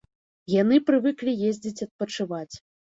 Яны прывыклі ездзіць адпачываць.